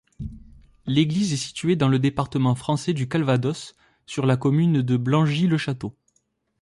L'église est située dans le département français du Calvados, sur la commune de Blangy-le-Château.